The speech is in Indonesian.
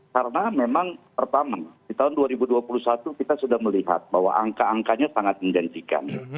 karena memang pertama di tahun dua ribu dua puluh satu kita sudah melihat bahwa angka angkanya sangat mendensikan